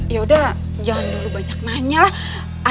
ya udah jangan dulu banyak nanya lah